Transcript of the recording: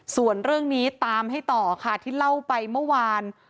ส่วนเรื่องนี้ตามให้ต่อค่ะที่เล่าไปเมื่อวาน